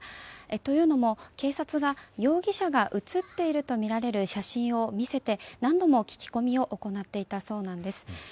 というのも警察が、容疑者が写っているとみられる写真を見せて、何度も聞き込みを行っていたそうなんです。